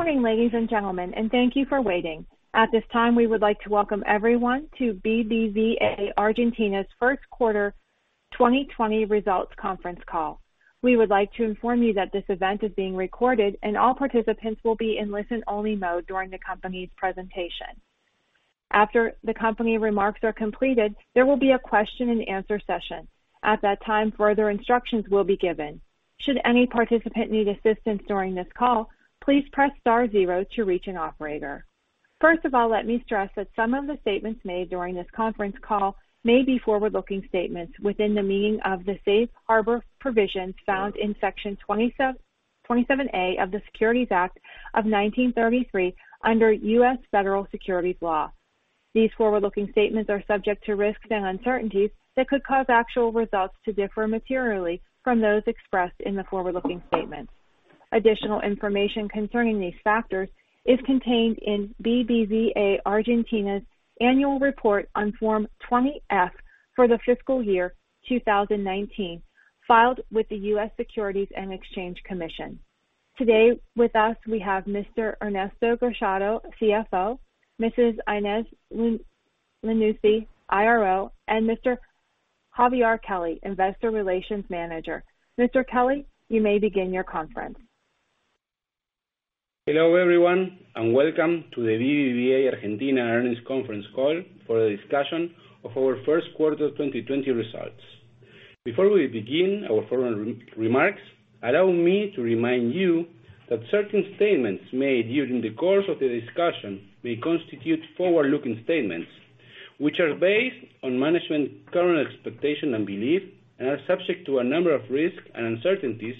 Good morning, ladies and gentlemen. Thank you for waiting. At this time, we would like to welcome everyone to BBVA Argentina's first quarter 2020 results conference call. We would like to inform you that this event is being recorded, and all participants will be in listen-only mode during the company's presentation. After the company remarks are completed, there will be a question and answer session. At that time, further instructions will be given. Should any participant need assistance during this call, please press star zero to reach an operator. First of all, let me stress that some of the statements made during this conference call may be forward-looking statements within the meaning of the safe harbor provisions found in Section 27A of the Securities Act of 1933, under U.S. Federal Securities Law. These forward-looking statements are subject to risks and uncertainties that could cause actual results to differ materially from those expressed in the forward-looking statements. Additional information concerning these factors is contained in BBVA Argentina's annual report on Form 20-F for the fiscal year 2019, filed with the US Securities and Exchange Commission. Today with us, we have Mr. Ernesto Gallardo, CFO, Mrs. Ines Lanusse, IRO, and Mr. Javier Kelly, Investor Relations Manager. Mr. Kelly, you may begin your conference. Hello, everyone, and welcome to the BBVA Argentina earnings conference call for the discussion of our first quarter 2020 results. Before we begin our formal remarks, allow me to remind you that certain statements made during the course of the discussion may constitute forward-looking statements, which are based on management's current expectation and belief and are subject to a number of risks and uncertainties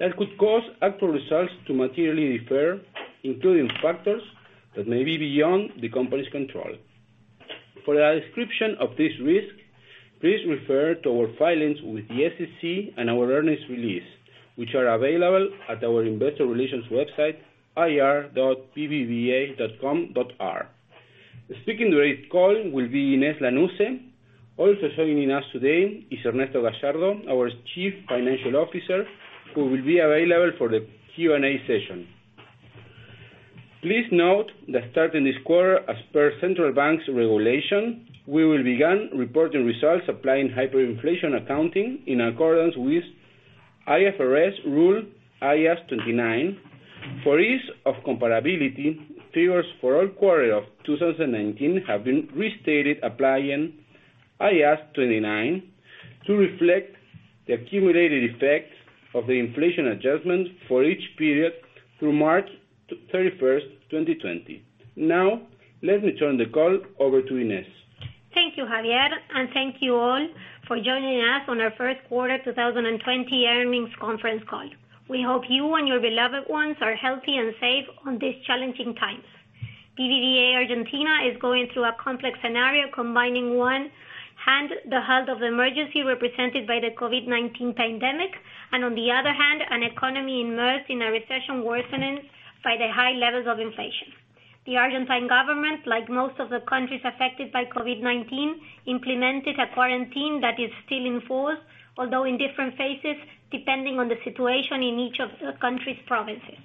that could cause actual results to materially differ, including factors that may be beyond the company's control. For a description of this risk, please refer to our filings with the SEC and our earnings release, which are available at our investor relations website, ir.bbva.com.ar. Speaking during this call will be Ines Lanusse. Also joining us today is Ernesto Gallardo, our Chief Financial Officer, who will be available for the Q&A session. Please note that starting this quarter, as per Central Bank's regulation, we will begin reporting results applying hyperinflation accounting in accordance with IFRS rule IAS 29. For ease of comparability, figures for all quarters of 2019 have been restated applying IAS 29 to reflect the accumulated effects of the inflation adjustment for each period through March 31st, 2020. Now, let me turn the call over to Ines. Thank you, Javier, and thank you all for joining us on our first quarter 2020 earnings conference call. We hope you and your beloved ones are healthy and safe on these challenging times. BBVA Argentina is going through a complex scenario, combining one hand, the health of emergency represented by the COVID-19 pandemic, and on the other hand, an economy immersed in a recession worsened by the high levels of inflation. The Argentine government, like most of the countries affected by COVID-19, implemented a quarantine that is still in force, although in different phases, depending on the situation in each of the country's provinces.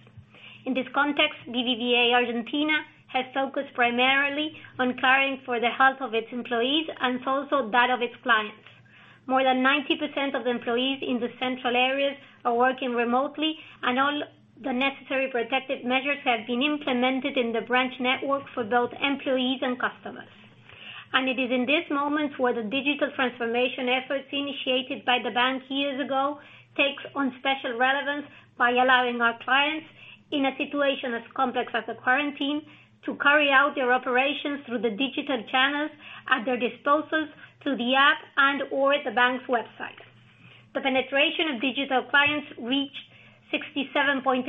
In this context, BBVA Argentina has focused primarily on caring for the health of its employees and also that of its clients. More than 90% of employees in the central areas are working remotely, all the necessary protective measures have been implemented in the branch network for both employees and customers. It is in this moment where the digital transformation efforts initiated by the bank years ago takes on special relevance by allowing our clients, in a situation as complex as a quarantine, to carry out their operations through the digital channels at their disposals, through the app and/or the bank's website. The penetration of digital clients reached 67.8%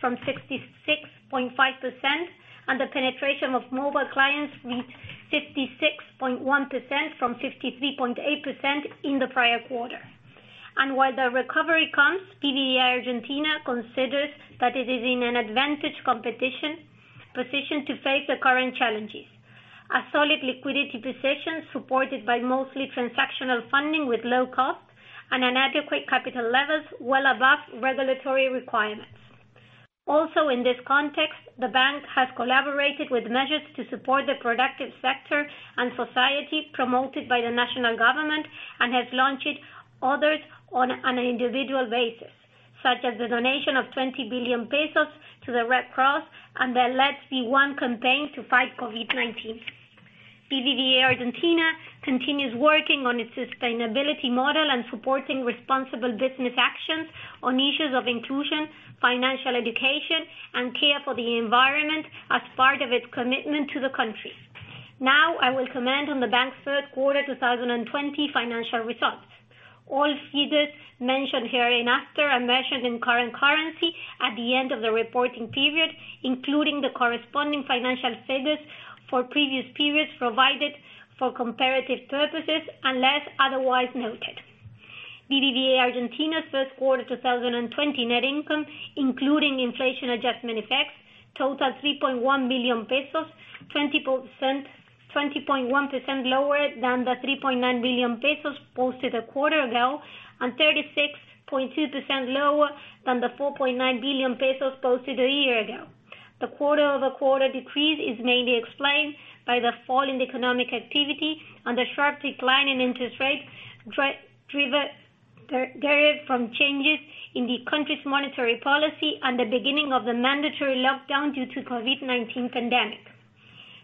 from 66.5%, the penetration of mobile clients reached 56.1% from 53.8% in the prior quarter. While the recovery comes, BBVA Argentina considers that it is in an advantage position to face the current challenges. A solid liquidity position supported by mostly transactional funding with low cost and adequate capital levels well above regulatory requirements. Also in this context, the bank has collaborated with measures to support the productive sector and society promoted by the national government and has launched others on an individual basis, such as the donation of 20 billion pesos to the Red Cross and the Let's Be One campaign to fight COVID-19. BBVA Argentina continues working on its sustainability model and supporting responsible business actions on issues of inclusion, financial education, and care for the environment as part of its commitment to the country. Now, I will comment on the bank's first quarter 2020 financial results. All figures mentioned hereinafter are measured in current currency at the end of the reporting period, including the corresponding financial figures for previous periods provided for comparative purposes, unless otherwise noted. BBVA Argentina's first quarter 2020 net income, including inflation adjustment effects, totaled 3.1 billion pesos, 20.1% lower than the 3.9 billion pesos posted a quarter ago, and 36.2% lower than the 4.9 billion pesos posted a year ago. The quarter-over-quarter decrease is mainly explained by the fall in economic activity and the sharp decline in interest rates derived from changes in the country's monetary policy and the beginning of the mandatory lockdown due to COVID-19 pandemic.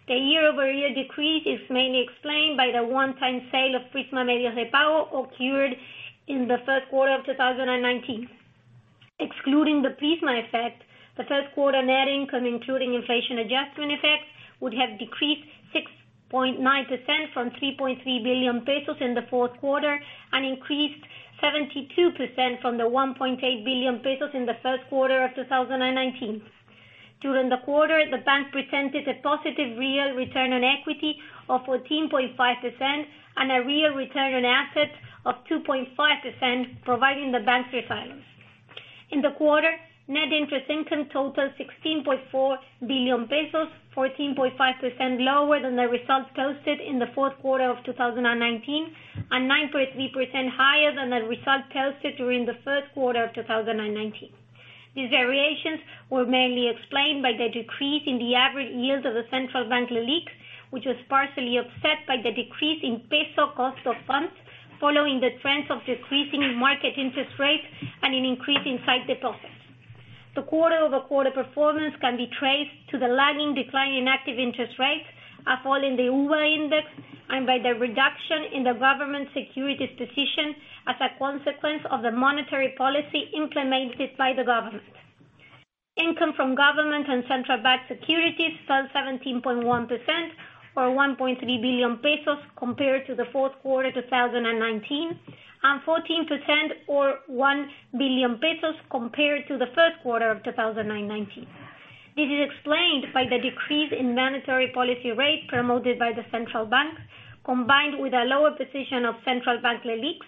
The year-over-year decrease is mainly explained by the one-time sale of Prisma Medios de Pago occurred in the first quarter of 2019. Excluding the Prisma effect, the first quarter net income including inflation adjustment effects, would have decreased 6.9% from 3.3 billion pesos in the fourth quarter, and increased 72% from the 1.8 billion pesos in the first quarter of 2019. During the quarter, the bank presented a positive real return on equity of 14.5% and a real return on assets of 2.5%, providing the bank's refinance. In the quarter, net interest income totaled 16.4 billion pesos, 14.5% lower than the results posted in the fourth quarter of 2019, and 9.3% higher than the results posted during the first quarter of 2019. These variations were mainly explained by the decrease in the average yield of the Central Bank LELIQ, which was partially offset by the decrease in peso cost of funds, following the trends of decreasing market interest rates and an increase in sight deposits. The quarter-over-quarter performance can be traced to the lagging decline in active interest rates, a fall in the UVA index, and by the reduction in the government securities position as a consequence of the monetary policy implemented by the government. Income from government and Central Bank securities fell 17.1%, or 1.3 billion pesos compared to the fourth quarter 2019, and 14%, or 1 billion pesos compared to the first quarter of 2019. This is explained by the decrease in monetary policy rate promoted by the Central Bank, combined with a lower position of Central Bank LELIQ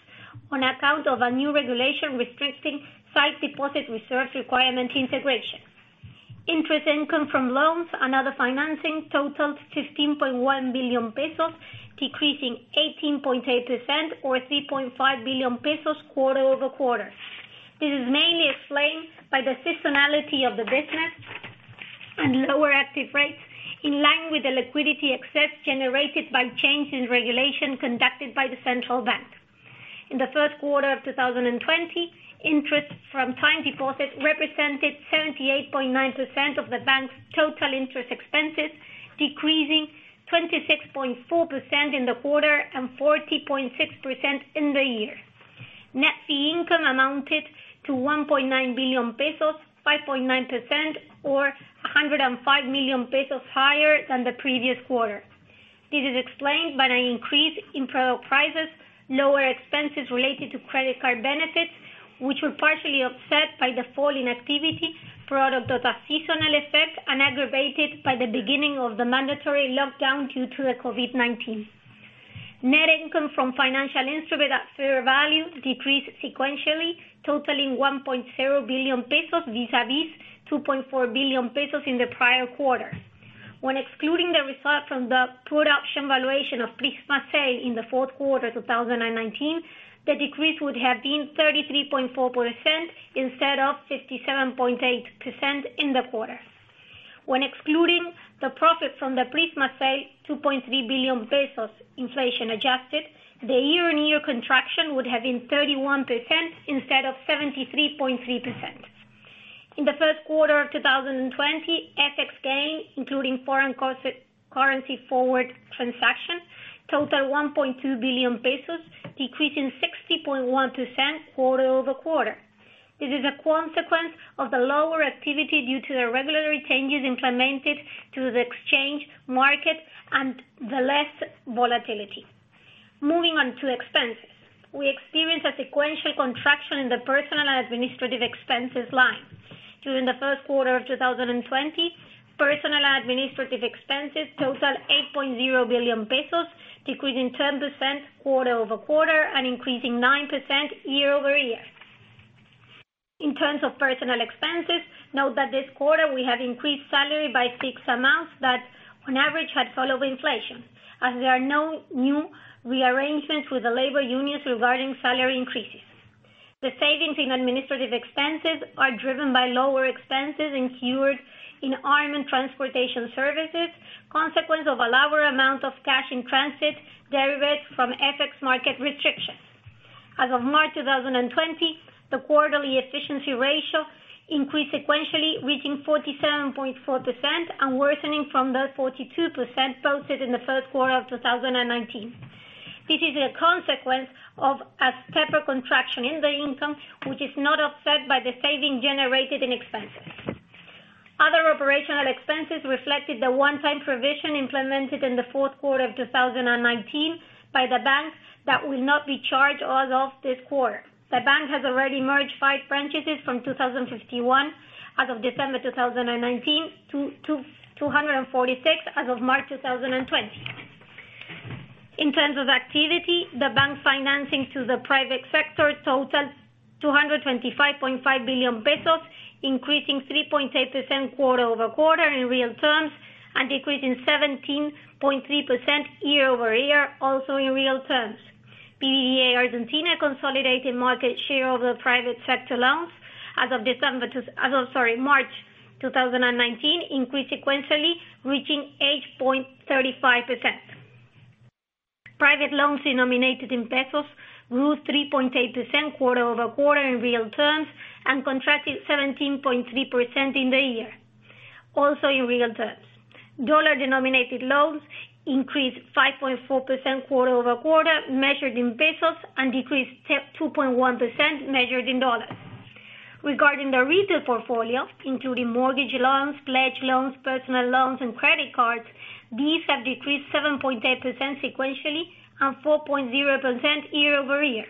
on account of a new regulation restricting sight deposit reserve requirement integration. Interest income from loans and other financing totaled 15.1 billion pesos, decreasing 18.8%, or 3.5 billion pesos quarter-over-quarter. This is mainly explained by the seasonality of the business and lower active rates in line with the liquidity excess generated by changes in regulation conducted by the Central Bank. In the first quarter of 2020, interest from time deposits represented 78.9% of the bank's total interest expenses, decreasing 26.4% in the quarter and 40.6% in the year. Net fee income amounted to 1.9 billion pesos, 5.9%, or 105 million pesos higher than the previous quarter. This is explained by an increase in product prices, lower expenses related to credit card benefits, which were partially offset by the fall in activity product of a seasonal effect and aggravated by the beginning of the mandatory lockdown due to the COVID-19. Net income from financial instruments at fair value decreased sequentially, totaling 1.0 billion pesos, vis-a-vis 2.4 billion pesos in the prior quarter. When excluding the result from the production valuation of Prisma sale in the fourth quarter 2019, the decrease would have been 33.4% instead of 57.8% in the quarter. When excluding the profit from the Prisma sale, 2.3 billion pesos inflation-adjusted, the year-on-year contraction would have been 31% instead of 73.3%. In the first quarter of 2020, FX gain, including foreign currency forward transactions, totaled ARS 1.2 billion, decreasing 60.1% quarter-over-quarter. It is a consequence of the lower activity due to the regulatory changes implemented to the exchange market and the less volatility. Moving on to expenses. We experienced a sequential contraction in the personal and administrative expenses line. During the first quarter of 2020, personal and administrative expenses totaled 8.0 billion pesos, decreasing 10% quarter-over-quarter and increasing 9% year-over-year. In terms of personal expenses, note that this quarter we have increased salary by fixed amounts that, on average, had followed inflation, as there are no new rearrangements with the labor unions regarding salary increases. The savings in administrative expenses are driven by lower expenses incurred in armed transportation services, consequence of a lower amount of cash in transit derived from FX market restrictions. As of March 2020, the quarterly efficiency ratio increased sequentially, reaching 47.4% and worsening from the 42% posted in the first quarter of 2019. This is a consequence of a steeper contraction in the income, which is not offset by the saving generated in expenses. Other operational expenses reflected the one-time provision implemented in the fourth quarter of 2019 by the bank that will not be charged as of this quarter. The bank has already merged five franchises from 2,051 as of December 2019 to 246 as of March 2020. In terms of activity, the bank financing to the private sector totals 225.5 billion pesos, increasing 3.8% quarter-over-quarter in real terms, and decreasing 17.3% year-over-year, also in real terms. BBVA Argentina consolidated market share over private sector loans as of March 2019, increased sequentially, reaching 8.35%. Private loans denominated in ARS pesos grew 3.8% quarter-over-quarter in real terms, and contracted 17.3% in the year, also in real terms. Dollar-denominated loans increased 5.4% quarter-over-quarter, measured in pesos, and decreased 2.1%, measured in dollars. Regarding the retail portfolio, including mortgage loans, pledge loans, personal loans, and credit cards, these have decreased 7.8% sequentially and 4.0% year-over-year.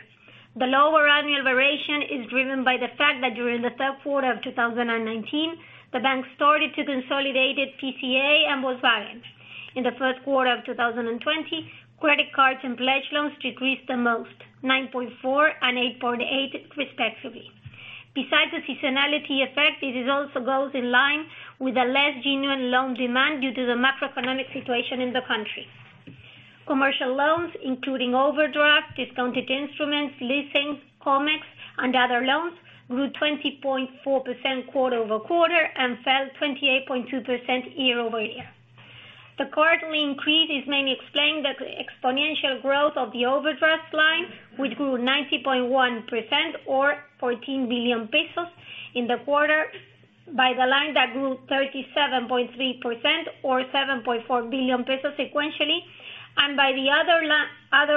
The lower annual variation is driven by the fact that during the third quarter of 2019, the bank started to consolidate PSA and Volkswagen. In the first quarter of 2020, credit cards and pledge loans decreased the most, 9.4% and 8.8% respectively. Besides the seasonality effect, this also goes in line with a less genuine loan demand due to the macroeconomic situation in the country. Commercial loans, including overdraft, discounted instruments, leasing, COMEX, and other loans, grew 20.4% quarter-over-quarter and fell 28.2% year-over-year. The quarterly increase is mainly explained by the exponential growth of the overdraft line, which grew 90.1%, or 14 billion pesos, in the quarter, by the line that grew 37.3%, or 7.4 billion pesos sequentially, and by the other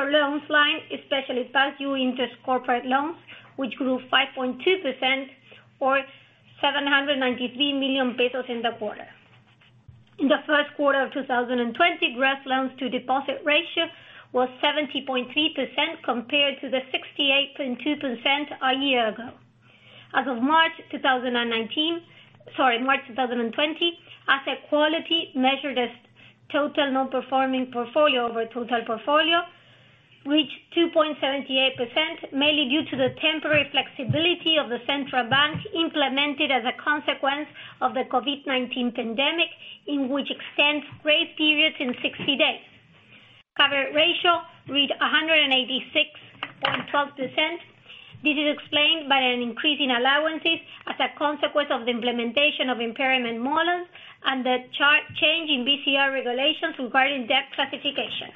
loans line, especially past-due interest corporate loans, which grew 5.2%, or 793 million pesos in the quarter. In the first quarter of 2020, gross loans to deposit ratio was 70.3%, compared to the 68.2% a year ago. As of March 2020, asset quality measured as total non-performing portfolio over total portfolio reached 2.78%, mainly due to the temporary flexibility of the Central Bank implemented as a consequence of the COVID-19 pandemic, in which extends grace periods in 60 days. Cover ratio read 186.12%. This is explained by an increase in allowances as a consequence of the implementation of impairment models and the change in BCRA regulations regarding debt classification.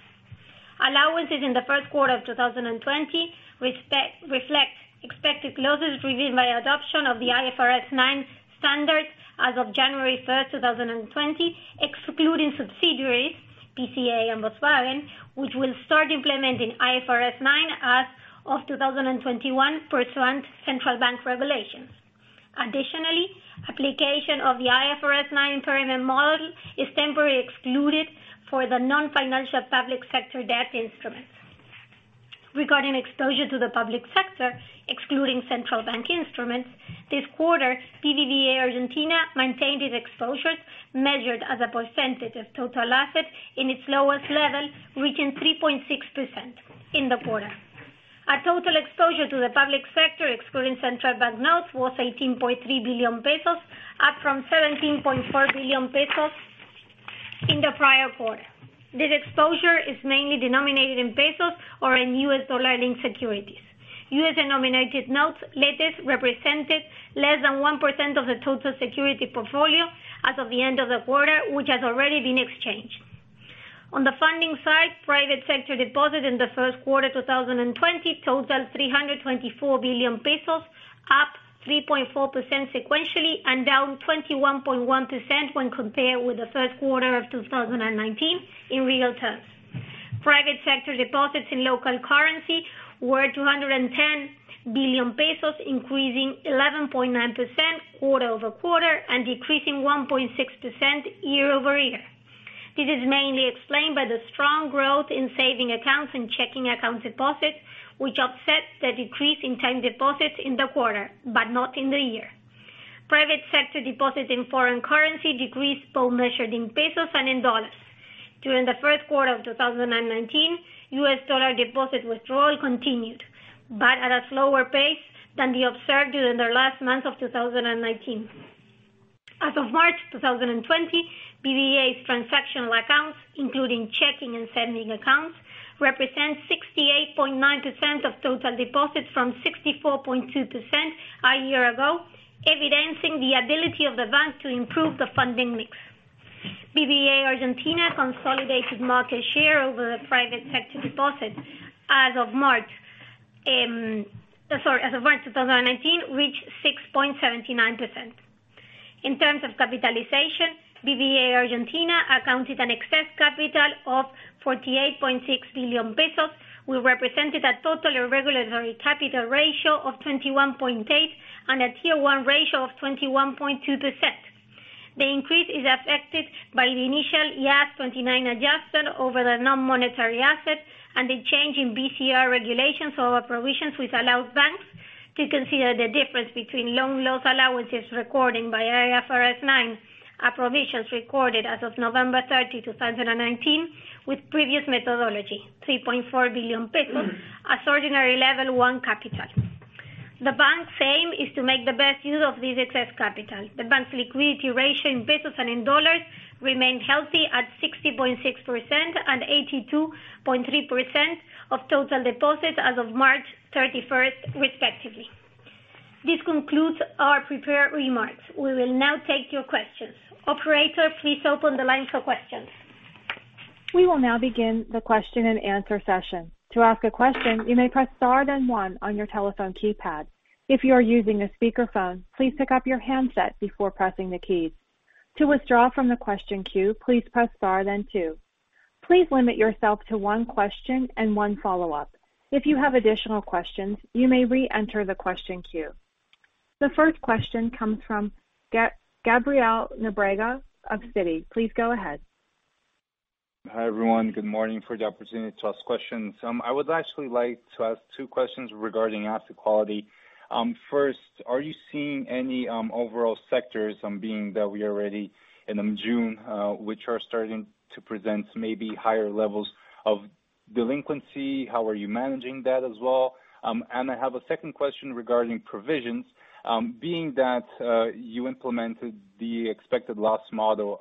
Allowances in the first quarter of 2020 reflect expected losses reviewed by adoption of the IFRS 9 standards as of January 1st, 2020, excluding subsidiaries, PSA and Volkswagen, which will start implementing IFRS 9 as of 2021, pursuant Central Bank regulations. Additionally, application of the IFRS 9 impairment model is temporarily excluded for the non-financial public sector debt instruments. Regarding exposure to the public sector, excluding Central Bank instruments, this quarter, BBVA Argentina maintained its exposures, measured as a percentage of total assets, in its lowest level, reaching 3.6% in the quarter. Our total exposure to the public sector, excluding Central Bank notes, was 18.3 billion pesos, up from 17.4 billion pesos in the prior quarter. This exposure is mainly denominated in pesos or in US dollar-linked securities. U.S.-denominated notes letters represented less than one percent of the total security portfolio as of the end of the quarter, which has already been exchanged. On the funding side, private sector deposit in the first quarter 2020 totaled 324 billion pesos, up 3.4% sequentially and down 21.1% when compared with the first quarter of 2019 in real terms. Private sector deposits in local currency were 210 billion pesos, increasing 11.9% quarter-over-quarter and decreasing 1.6% year-over-year. This is mainly explained by the strong growth in saving accounts and checking accounts deposits, which offset the decrease in time deposits in the quarter, but not in the year. Private sector deposits in foreign currency decreased, both measured in Argentine pesos and in US dollars. During the first quarter of 2019, US dollar deposit withdrawal continued, but at a slower pace than the observed during the last month of 2019. As of March 2020, BBVA's transactional accounts, including checking and savings accounts, represent 68.9% of total deposits from 64.2% a year ago, evidencing the ability of the bank to improve the funding mix. BBVA Argentina consolidated market share over the private sector deposit as of March 2019, reached 6.79%. In terms of capitalization, BBVA Argentina accounted an excess capital of 48.6 billion pesos, which represented a total regulatory capital ratio of 21.8% and a Tier 1 ratio of 21.2%. The increase is affected by the initial IAS 29 adjustment over the non-monetary asset and the change in BCRA regulations over provisions which allow banks to consider the difference between loan loss allowances recorded by IFRS 9, or provisions recorded as of November 30th, 2019, with previous methodology, 3.4 billion pesos as ordinary Tier 1 capital. The bank's aim is to make the best use of this excess capital. The bank's liquidity ratio in pesos and in dollars remained healthy at 60.6% and 82.3% of total deposits as of March 31st respectively. This concludes our prepared remarks. We will now take your questions. Operator, please open the line for questions. We will now begin the question and answer session. To ask a question, you may press star then one on your telephone keypad. If you are using a speakerphone, please pick up your handset before pressing the keys. To withdraw from the question queue, please press star then two. Please limit yourself to one question and one follow-up. If you have additional questions, you may re-enter the question queue. The first question comes from Gabriel Nobrega of Citi. Please go ahead. Hi, everyone. Good morning for the opportunity to ask questions. I would actually like to ask two questions regarding asset quality. First, are you seeing any overall sectors, being that we are already in June, which are starting to present maybe higher levels of delinquency? How are you managing that as well? I have a second question regarding provisions. Being that you implemented the expected loss model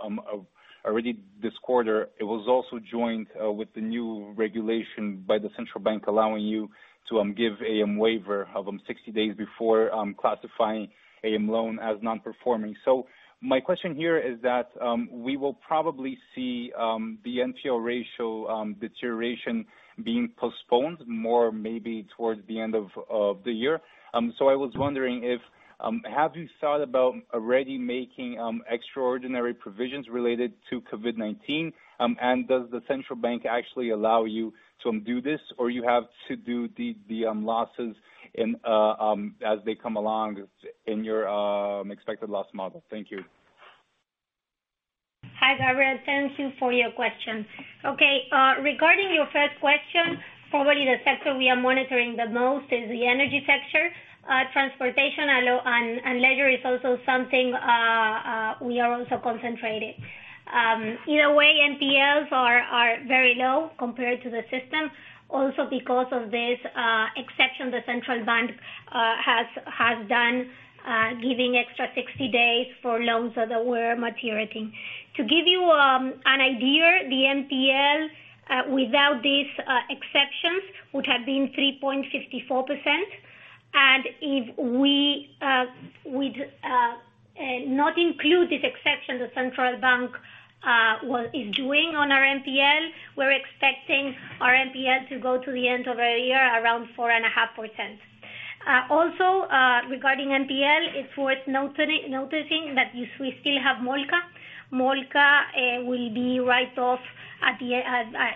already this quarter, it was also joined with the new regulation by the Central Bank allowing you to give a waiver of 60 days before classifying a loan as non-performing. My question here is that we will probably see the NPL ratio deterioration being postponed more maybe towards the end of the year. I was wondering, have you thought about already making extraordinary provisions related to COVID-19? Does the Central Bank actually allow you to do this, or you have to do the losses as they come along in your expected loss model? Thank you. Hi, Gabriel. Thanks for your questions. Okay. Regarding your first question, probably the sector we are monitoring the most is the energy sector. Transportation and leisure is also something we are also concentrating. Either way, NPLs are very low compared to the system. Also because of this exception the Central Bank has done, giving extra 60 days for loans that were maturing. To give you an idea, the NPL without these exceptions would have been 3.54%. If we not include this exception the Central Bank is doing on our NPL, we're expecting our NPL to go to the end of the year around 4.5%. Also, regarding NPL, it's worth noticing that we still have Molca. Molca will be write-off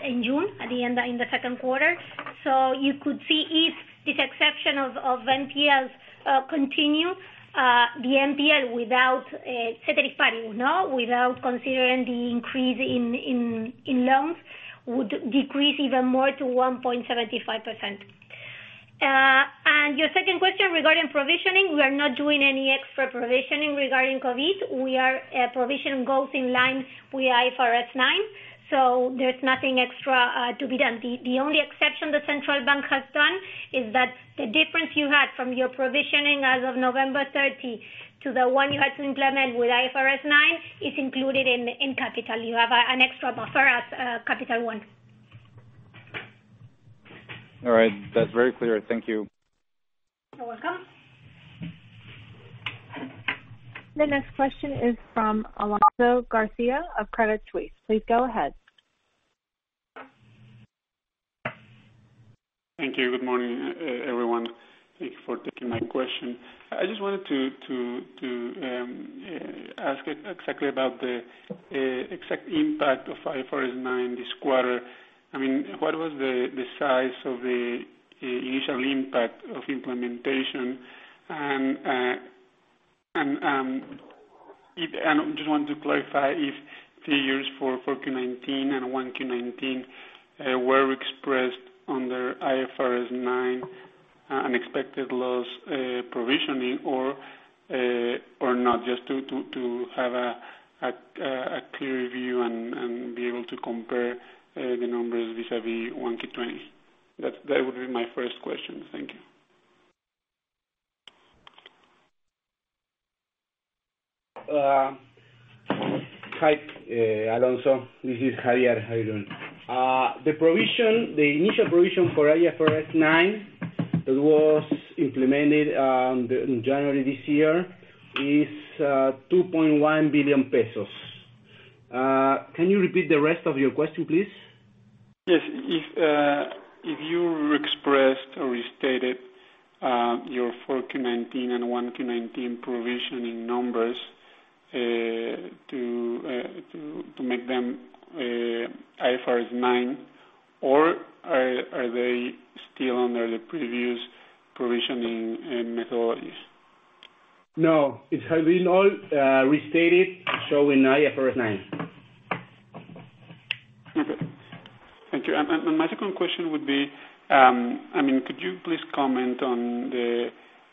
in June, at the end in the second quarter. You could see if this exception of NPLs continue, the NPL without considering the increase in loans, would decrease even more to 1.75%. Your second question regarding provisioning, we are not doing any extra provisioning regarding COVID. Provision goes in line with IFRS 9, so there's nothing extra to be done. The only exception the Central Bank has done is that the difference you had from your provisioning as of November 30th to the one you had to implement with IFRS 9 is included in capital. You have an extra buffer as capital Tier 1. All right. That's very clear. Thank you. You're welcome. The next question is from Alonso Garcia of Credit Suisse. Please go ahead. Thank you. Good morning, everyone. Thank you for taking my question. I just wanted to ask exactly about the exact impact of IFRS 9 this quarter. What was the size of the initial impact of implementation? I just wanted to clarify if the years for 4Q19 and 1Q19 were expressed under IFRS 9 unexpected loss provisioning or not, just to have a clear view and be able to compare the numbers vis-a-vis 1Q20. That would be my first question. Thank you. Hi, Alonso. This is Javier. How are you doing? The initial provision for IFRS 9 that was implemented in January this year is 2.1 billion pesos. Can you repeat the rest of your question, please? Yes. If you re-expressed or restated your 4Q19 and 1Q19 provisioning numbers to make them IFRS 9, or are they still under the previous provisioning methodologies? No. It has been all restated, showing IFRS 9. Thank you. My second question would be, could you please comment on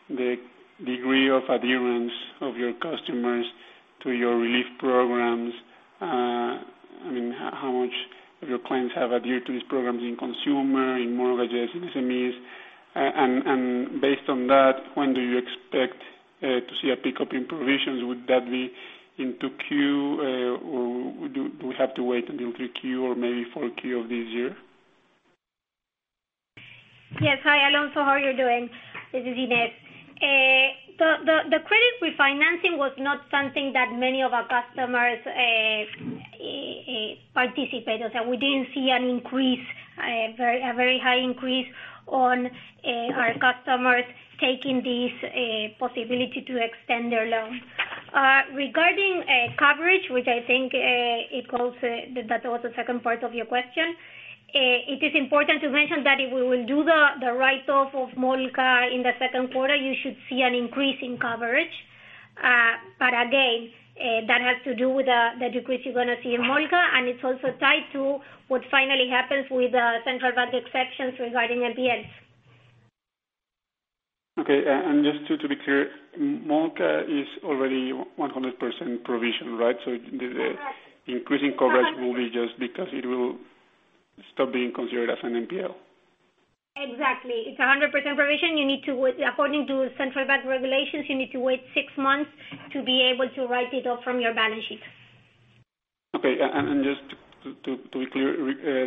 the degree of adherence of your customers to your relief programs? How much of your clients have adhered to these programs in consumer, in mortgages, in SMEs? Based on that, when do you expect to see a pickup in provisions? Would that be in 2Q, or do we have to wait until 3Q or maybe 4Q of this year? Yes. Hi, Alonso. How are you doing? This is Ines. The credit refinancing was not something that many of our customers participated. We didn't see a very high increase on our customers taking this possibility to extend their loan. Regarding coverage, which I think, that was the second part of your question. It is important to mention that if we will do the write-off of Molca in the second quarter, you should see an increase in coverage. Again, that has to do with the decrease you're going to see in Molca, and it's also tied to what finally happens with the Central Bank exceptions regarding NPL. Okay. Just to be clear, Molca is already 100% provision, right? The increasing coverage will be just because it will stop being considered as an NPL. Exactly. It's 100% provision. According to Central Bank regulations, you need to wait six months to be able to write it off from your balance sheet. Okay. Just to be clear,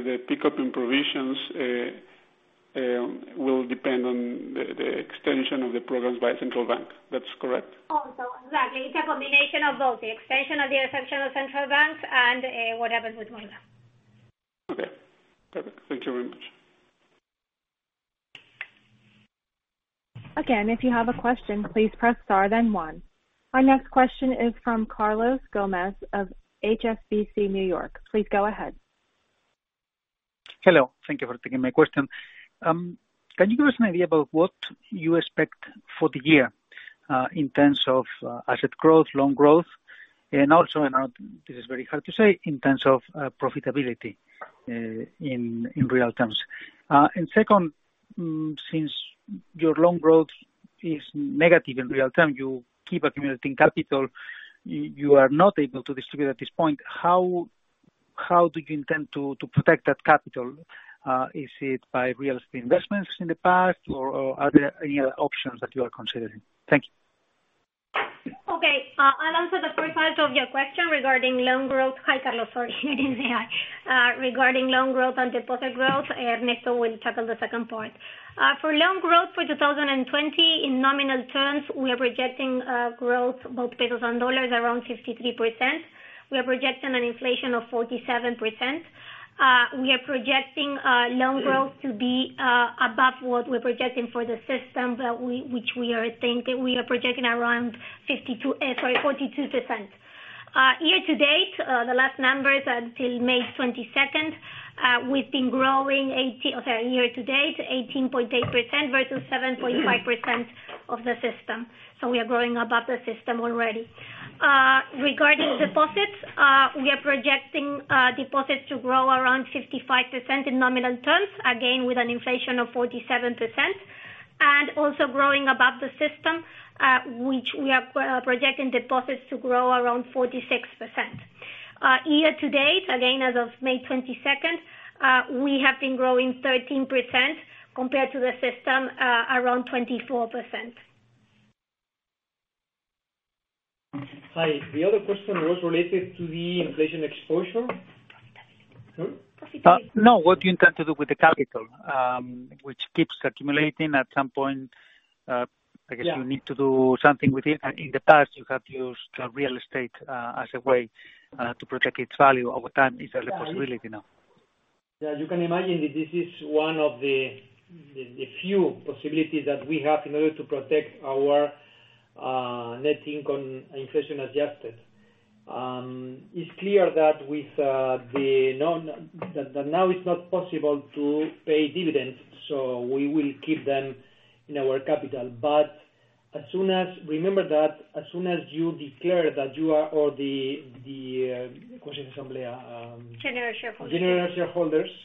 the pickup in provisions will depend on the extension of the programs by Central Bank. That's correct? Also. Exactly. It's a combination of both, the extension of the exception of central banks and what happens with Molca. Okay. Perfect. Thank you very much. Again, if you have a question, please press star then one. Our next question is from Carlos Gomez-Lopez of HSBC New York. Please go ahead. Hello. Thank you for taking my question. Can you give us an idea about what you expect for the year, in terms of asset growth, loan growth, and also, I know this is very hard to say, in terms of profitability, in real terms? Second, since your loan growth is negative in real time, you keep accumulating capital, you are not able to distribute at this point. How do you intend to protect that capital? Is it by real estate investments in the past or are there any other options that you are considering? Thank you. Okay. I'll answer the first part of your question regarding loan growth. Hi, Carlos. Sorry. It is I. Regarding loan growth and deposit growth, Ernesto will tackle the second part. For loan growth for 2020, in nominal terms, we are projecting growth, both pesos and dollars, around 53%. We are projecting an inflation of 47%. We are projecting loan growth to be above what we're projecting for the system, which we are projecting around 42%. Year to date, the last numbers until May 22nd, we've been growing 18.8% versus 7.5% of the system. We are growing above the system already. Regarding deposits, we are projecting deposits to grow around 55% in nominal terms, again, with an inflation of 47%. Also growing above the system, which we are projecting deposits to grow around 46%. Year to date, again, as of May 22nd, we have been growing 13% compared to the system, around 24%. Hi. The other question was related to the inflation exposure. No, what you intend to do with the capital, which keeps accumulating. Yeah I guess you need to do something with it. In the past, you have used real estate as a way to protect its value over time. Is that a possibility now? Yeah, you can imagine that this is one of the few possibilities that we have in order to protect our net income inflation adjusted. It's clear that now it's not possible to pay dividends, so we will keep them in our capital. Remember that as soon as you declare that assembly. General shareholders. General shareholders-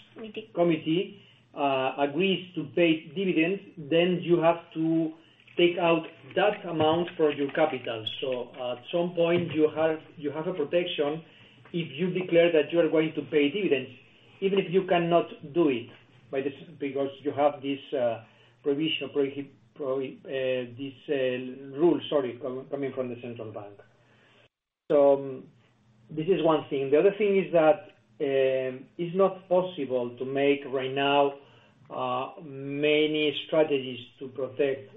Committee Agrees to pay dividends, then you have to take out that amount for your capital. At some point, you have a protection if you declare that you are going to pay dividends, even if you cannot do it, because you have this rule coming from the Central Bank. This is one thing. The other thing is that it's not possible to make right now, many strategies to protect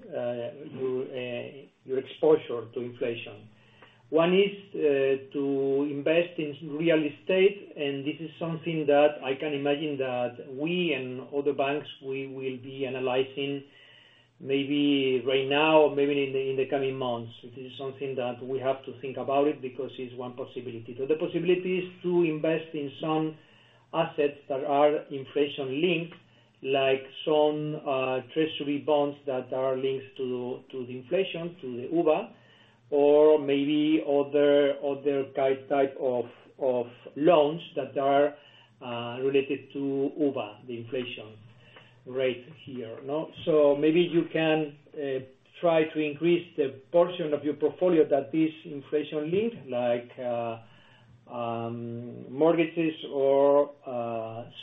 your exposure to inflation. One is to invest in real estate, and this is something that I can imagine that we and other banks, we will be analyzing maybe right now or maybe in the coming months. This is something that we have to think about it because it's one possibility. The possibility is to invest in some assets that are inflation-linked like some treasury bonds that are linked to the inflation, to the UVA, or maybe other type of loans that are related to UVA, the inflation rate here. Maybe you can try to increase the portion of your portfolio that this inflation-linked, like mortgages or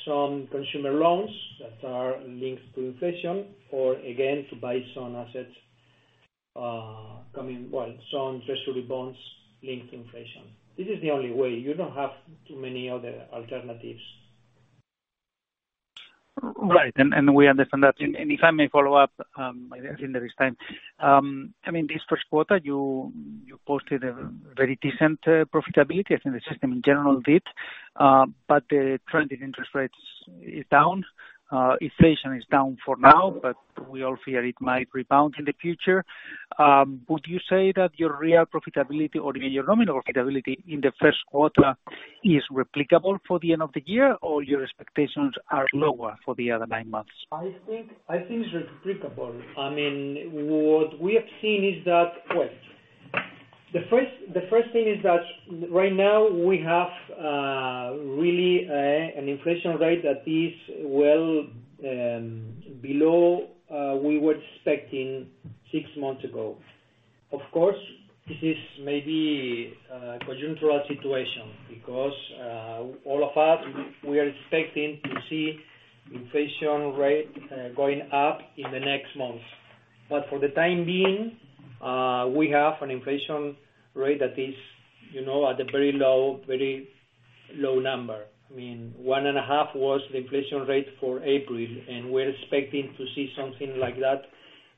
some consumer loans that are linked to inflation, or again, to buy some assets, some treasury bonds linked to inflation. This is the only way. You don't have too many other alternatives. Right. We understand that. If I may follow up, I think there is time. This first quarter, you posted a very decent profitability. I think the system in general did. The trend in interest rates is down. Inflation is down for now, but we all fear it might rebound in the future. Would you say that your real profitability or your nominal profitability in the first quarter is replicable for the end of the year, or your expectations are lower for the other nine months? I think it's replicable. What we have seen is that, well, the first thing is that right now we have really an inflation rate that is well below we were expecting six months ago. Of course, this is maybe a conjuncture situation because all of us, we are expecting to see inflation rate going up in the next months. For the time being, we have an inflation rate that is at a very low number. One and a half was the inflation rate for April, and we're expecting to see something like that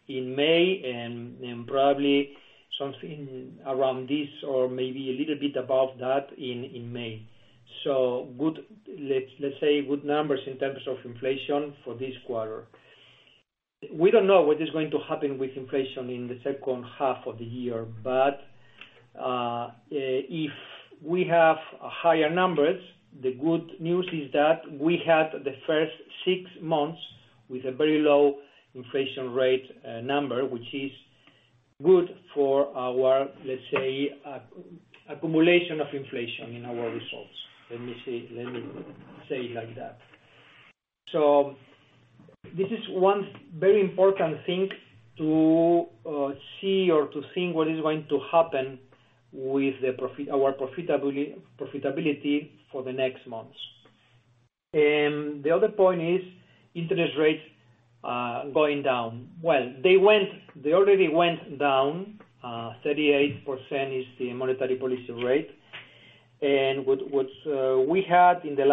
in May, and probably something around this or maybe a little bit above that in May. Let's say good numbers in terms of inflation for this quarter. We don't know what is going to happen with inflation in the second half of the year, but if we have higher numbers, the good news is that we had the first six months with a very low inflation rate number, which is good for our, let's say, accumulation of inflation in our results. Let me say it like that. This is one very important thing to see or to think what is going to happen with our profitability for the next months. The other point is interest rates going down. Well, they already went down. 38% is the monetary policy rate. What we had in the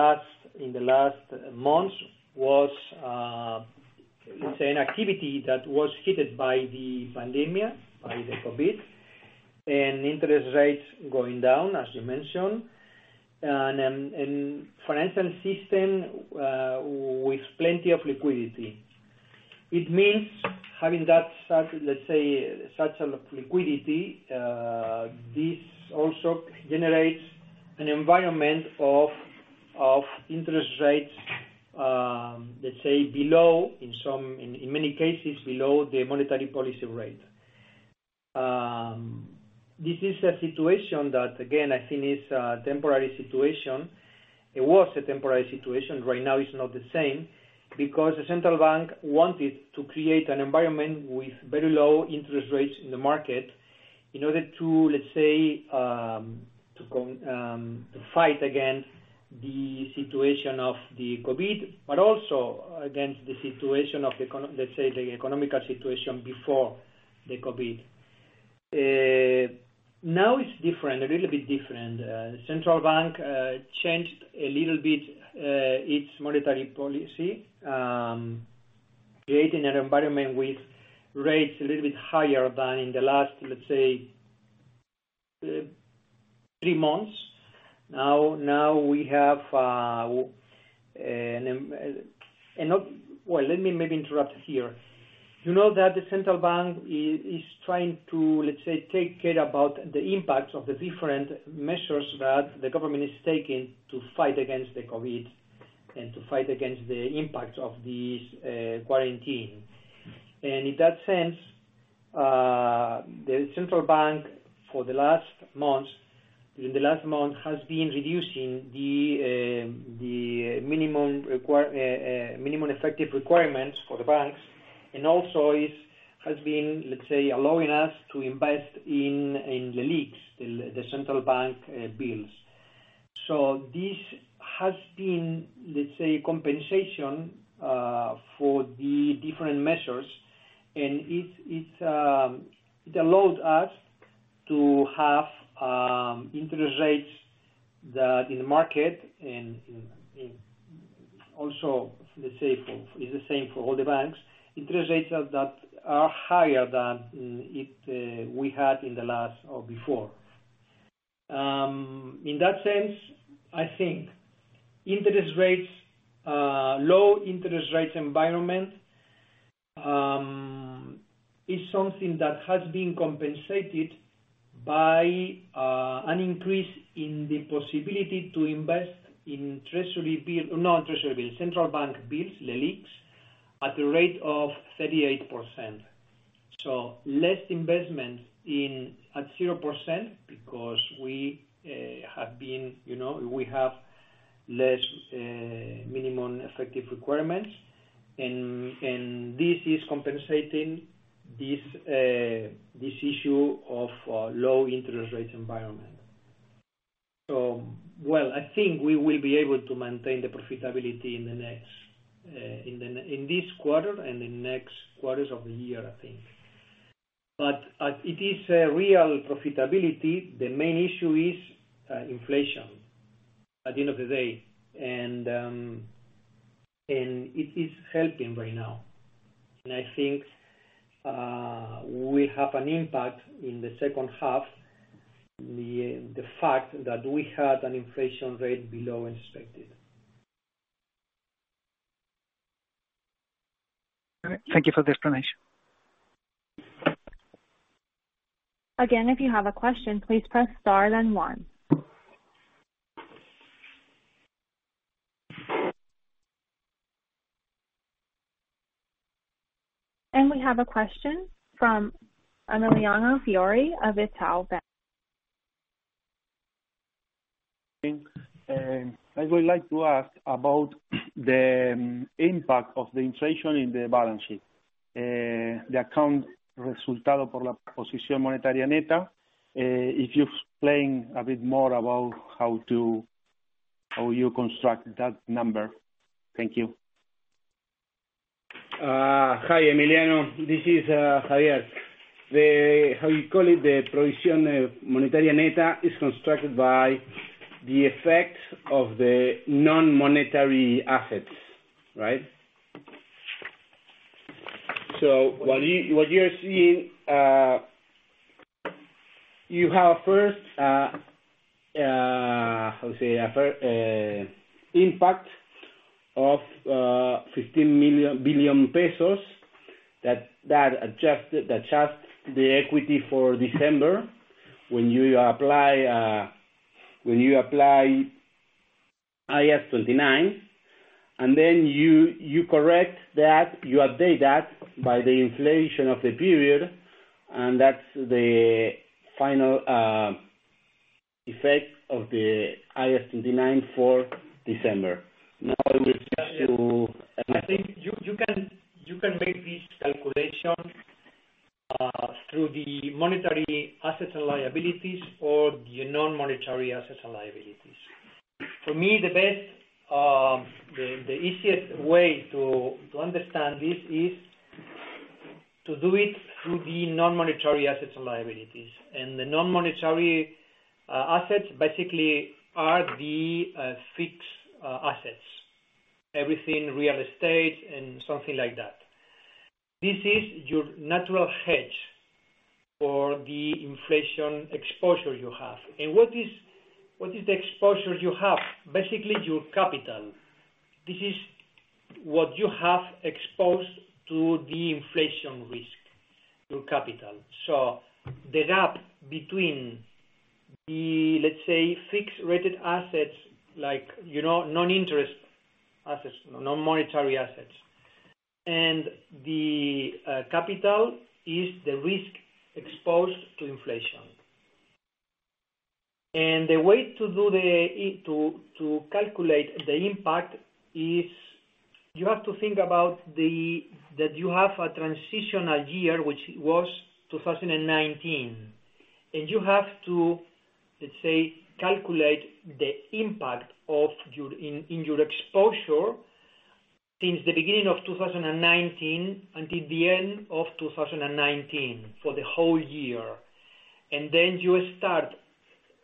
last months was an activity that was hit by the pandemia, by the COVID, and interest rates going down, as you mentioned, and financial system with plenty of liquidity. It means having that, let's say, such a liquidity, this also generates an environment of interest rates, let's say, below in many cases, below the monetary policy rate. This is a situation that, again, I think is a temporary situation. It was a temporary situation. Right now it's not the same, because the Central Bank wanted to create an environment with very low interest rates in the market in order to, let's say, to fight against the situation of the COVID-19, but also against the economic situation before the COVID-19. It's different, a little bit different. Central Bank changed a little bit its monetary policy, creating an environment with rates a little bit higher than in the last, let's say, three months. Well, let me maybe interrupt here. You know that the Central Bank is trying to, let's say, take care about the impact of the different measures that the government is taking to fight against the COVID-19 and to fight against the impact of this quarantine. In that sense, the Central Bank for the last month has been reducing the minimum effective requirements for the banks, also it has been, let's say, allowing us to invest in the LELIQs, the Central Bank bills. This has been, let's say, compensation for the different measures, and it allowed us to have interest rates that in the market and also is the same for all the banks, interest rates that are higher than we had in the last or before. In that sense, I think low interest rates environment. Is something that has been compensated by an increase in the possibility to invest in Central Bank bills, LELIQs, at the rate of 38%. Less investments at zero percent, because we have less minimum effective requirements, and this is compensating this issue of low interest rate environment. Well, I think we will be able to maintain the profitability in this quarter and the next quarters of the year, I think. It is a real profitability. The main issue is inflation, at the end of the day. It is helping right now. I think we have an impact in the second half, the fact that we had an inflation rate below expected. All right. Thank you for the explanation. Again, if you have a question, please press star then one. We have a question from Emiliano Fiori of Itaú BBA. Thanks. I would like to ask about the impact of the inflation in the balance sheet. The account, if you explain a bit more about how you construct that number? Thank you. Hi, Emiliano. This is Javier. How you call it, the posición monetaria neta is constructed by the effect of the non-monetary assets. Right? What you're seeing, you have first, how say, impact of 15 billion ARS, that adjusts the equity for December when you apply IAS 29. Then you correct that, you update that by the inflation of the period. That's the final effect of the IAS 29 for December. Now in reference to. I think you can make this calculation through the monetary assets and liabilities or the non-monetary assets and liabilities. For me, the easiest way to understand this is to do it through the non-monetary assets and liabilities. The non-monetary assets basically are the fixed assets, everything real estate and something like that. This is your natural hedge for the inflation exposure you have. What is the exposure you have? Basically, your capital. This is what you have exposed to the inflation risk, your capital. The gap between the, let's say, fixed rated assets like non-interest assets, non-monetary assets, and the capital is the risk exposed to inflation. The way to calculate the impact is you have to think about that you have a transitional year, which was 2019. You have to, let's say, calculate the impact in your exposure since the beginning of 2019 until the end of 2019, for the whole year. Then you start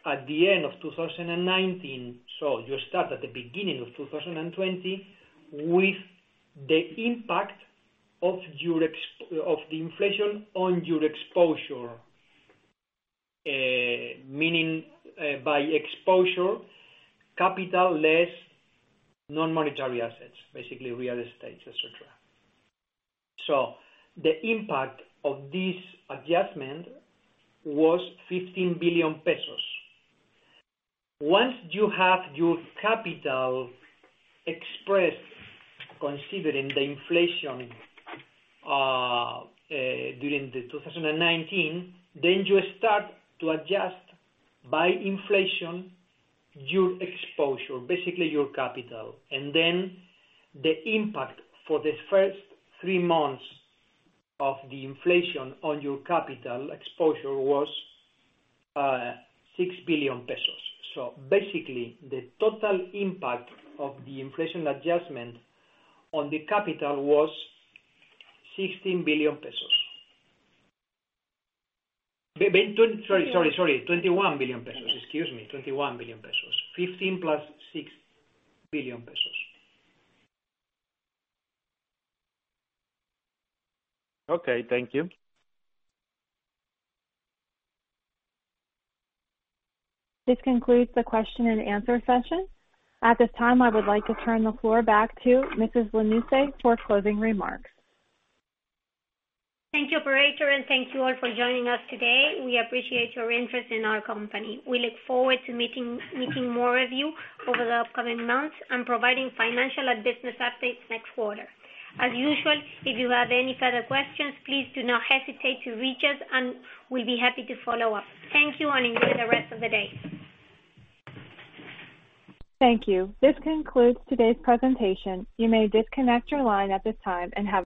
at the end of 2019. You start at the beginning of 2020 with the impact of the inflation on your exposure. Meaning by exposure, capital less non-monetary assets, basically real estates, et cetera. The impact of this adjustment was 15 billion pesos. Once you have your capital expressed considering the inflation during the 2019, then you start to adjust by inflation your exposure, basically your capital. Then the impact for the first three months of the inflation on your capital exposure was 6 billion pesos. Basically, the total impact of the inflation adjustment on the capital was 16 billion pesos. Sorry, 21 billion pesos. Excuse me, 21 billion pesos. 15 plus 6 billion pesos. Okay. Thank you. This concludes the question and answer session. At this time, I would like to turn the floor back to Mrs. Lanusse for closing remarks. Thank you, operator, and thank you all for joining us today. We appreciate your interest in our company. We look forward to meeting more with you over the upcoming months and providing financial and business updates next quarter. As usual, if you have any further questions, please do not hesitate to reach us, and we'll be happy to follow up. Thank you, and enjoy the rest of the day. Thank you. This concludes today's presentation. You may disconnect your line at this time.